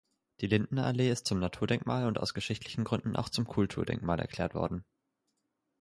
Die Lindenallee ist zum Naturdenkmal und aus geschichtlichen Gründen auch zum Kulturdenkmal erklärt worden.